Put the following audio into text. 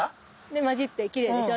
交じってきれいでしょ？